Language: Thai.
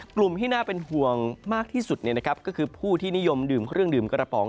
กลุ่มที่น่าเป็นห่วงมากที่สุดก็คือผู้ที่นิยมดื่มเครื่องดื่มกระป๋อง